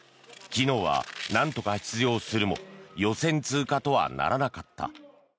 昨日は、なんとか出場するも予選通過とはならなかった。